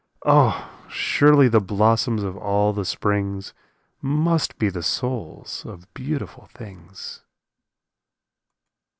Oh! surely the blossoms of all the springs Must be the souls of beautiful things.